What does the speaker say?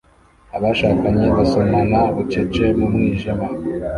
Abashakanye basomana bucece mu mwijima